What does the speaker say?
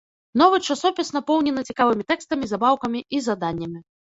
Новы часопіс напоўнены цікавымі тэкстамі, забаўкамі і заданнямі.